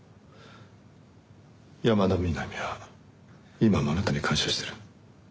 山田みなみは今もあなたに感謝してる。